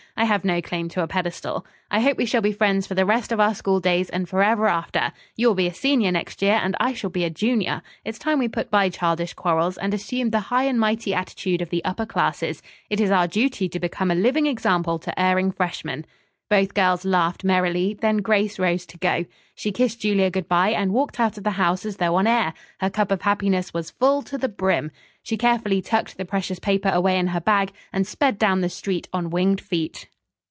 I have no claim to a pedestal. I hope we shall be friends for the rest of our schooldays and forever after. You will be a senior next year, and I shall be a junior. It's time we put by childish quarrels, and assumed the high and mighty attitude of the upper classes. It is our duty to become a living example to erring freshmen." Both girls laughed merrily; then Grace rose to go. She kissed Julia good bye and walked out of the house as though on air. Her cup of happiness was full to the brim. She carefully tucked the precious paper away in her bag and sped down the street on winged feet.